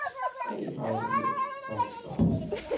Ayɣer ay la tettaḍsaḍ?